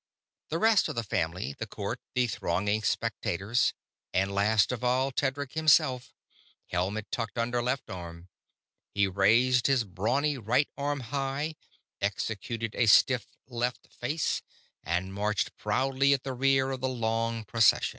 The rest of the Family the Court the thronging spectators and, last of all, Tedric himself. Helmet tucked under left arm, he raised his brawny right arm high, executed a stiff "left face," and march proudly at the rear of the long procession.